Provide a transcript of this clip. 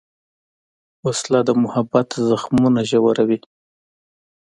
وسله د محبت زخمونه ژوروي